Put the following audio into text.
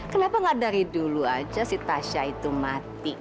kenapa gak dari dulu aja si tasya itu mati